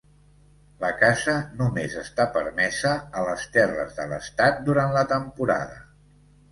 La caça només està permesa a les terres de l'Estat durant la temporada.